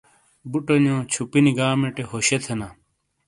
بوٹونو چھوپینی گامٹے ہوشے تھینا۔